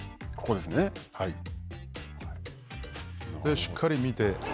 しっかり見て。